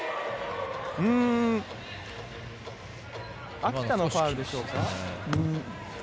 秋田のファウルでしょうか。